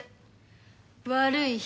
悪い人！